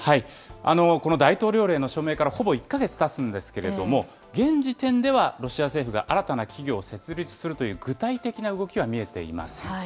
この大統領令の署名からほぼ１か月たつんですけれども、現時点ではロシア政府が新たな企業を設立するという具体的な動きは見えていません。